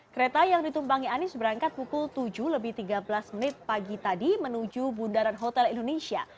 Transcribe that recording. kereta yang ditumpangi anies berangkat pukul tujuh lebih tiga belas menit pagi tadi menuju bundaran hotel indonesia